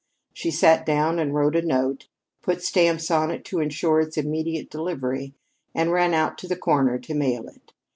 She sat down and wrote a note, put stamps on it to insure its immediate delivery, and ran out to the corner to mail it.